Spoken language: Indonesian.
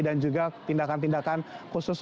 dan juga tindakan tindakan khusus